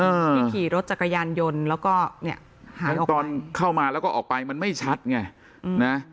ที่ขี่รถจักรยานยนต์แล้วก็เนี่ยตอนเข้ามาแล้วก็ออกไปมันไม่ชัดไงอืมนะ